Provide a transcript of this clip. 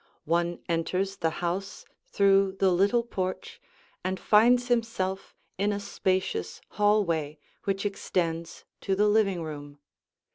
One enters the house through the little porch and finds himself in a spacious hallway which extends to the living room.